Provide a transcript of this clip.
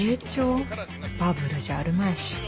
バブルじゃあるまいし